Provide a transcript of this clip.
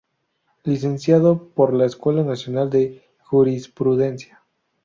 Licenciado por la Escuela Nacional de Jurisprudencia.